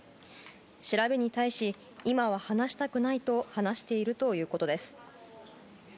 調べに対し、今は話したくないと話しているということです。